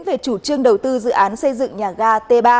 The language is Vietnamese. về chủ trương đầu tư dự án xây dựng nhà ga t ba